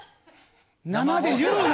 生で言うな。